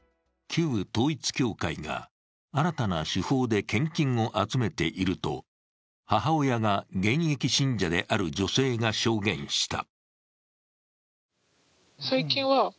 旧統一教会が新たな手法で献金を集めていると母親が現役信者である女性が証言した。